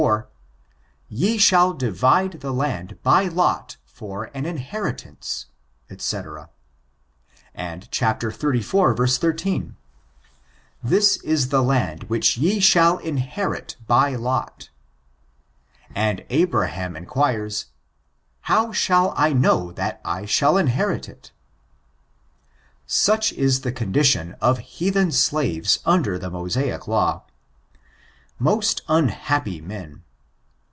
54, "Ye shall divide the land by lot for an inheritance" etc. And xxxiy. 13, " This is the land which ye shall inherit by lot." And Abraham inquires, "How shall I know that I shall inhtrii it?*' Such is the condition of heathen slares under the Mosaic Law. Most unhappy men